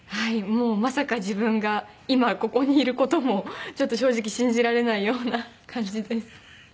もうまさか自分が今ここにいる事もちょっと正直信じられないような感じです。